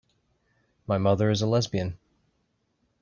My mother is a lesbian.